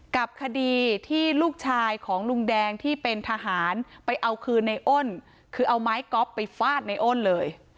กับคดีที่ลูกชายของลุงแดงที่เป็นทหารไปเอาคืนในอ้นคือเอาไม้ก๊อฟไปฟาดในอ้นเลย